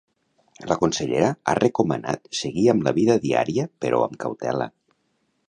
La consellera ha recomanat seguir amb la vida diària però amb cautela.